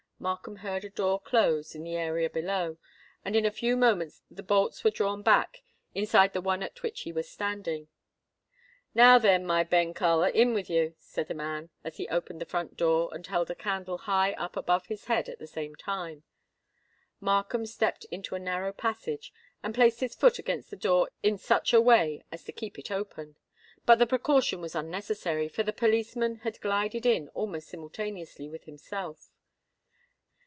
Markham heard a door close in the area below; and in a few moments the bolts were drawn back inside the one at which he was standing. "Now then, my ben cull—in with you," said a man, as he opened the front door, and held a candle high up above his head at the same time. Markham stepped into a narrow passage, and placed his foot against the door in such a way as to keep it open. But the precaution was unnecessary, for the policeman had glided in almost simultaneously with himself.